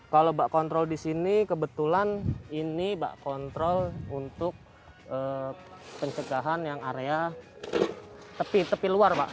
kalau mbak kontrol di sini kebetulan ini mbak kontrol untuk pencegahan yang area tepi tepi luar pak